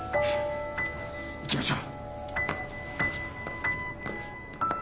行きましょう。